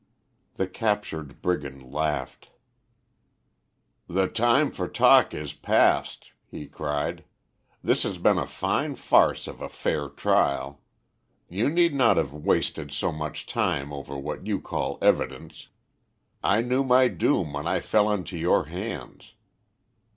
The captured brigand laughed. "The time for talk is past," he cried. "This has been a fine farce of a fair trial. You need not have wasted so much time over what you call evidence. I knew my doom when I fell into your hands.